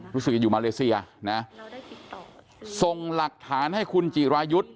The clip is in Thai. รู้สึกจะอยู่มาเลเซียนะส่งหลักฐานให้คุณจิรายุทธ์